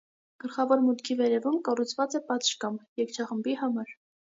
Գլխավոր մուտքի վերևում կառուցված է պատշգամբ՝ երգչախմբի համար։